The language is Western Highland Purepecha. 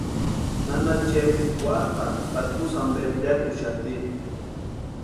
Nana Chepa wapʼani takusï ampe piakuxati.